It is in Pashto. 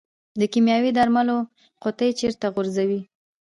د کیمیاوي درملو قطۍ چیرته غورځوئ؟